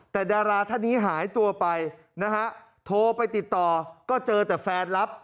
แต่ดาราท่านนี้หายตัวไปนะฮะโทรไปติดต่อก็เจอแต่แฟนรับ